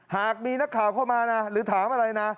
หากมีนักข่าวเข้ามานะหรือถามอะไรนะ